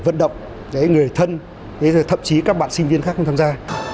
cái đọc cái người thân thậm chí các bạn sinh viên khác cũng tham gia